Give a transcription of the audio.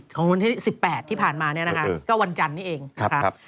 ของวันที่๑๘ที่ผ่านมาเนี่ยนะคะก็วันจันทร์นี้เองนะครับ